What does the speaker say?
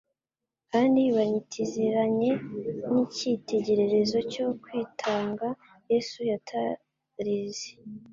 kandi binytzranye n'icyitegererezo cyo kwitanga Yesu yatarize,